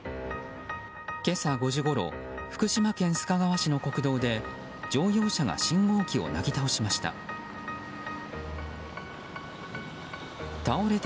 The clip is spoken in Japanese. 今朝５時ごろ福島県須賀川市の国道で乗用車が信号機をなぎ倒しました。